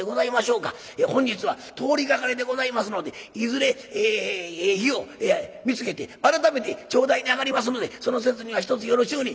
本日は通りがかりでございますのでいずれ日を見つけて改めて頂戴に上がりますのでその節にはひとつよろしゅうに。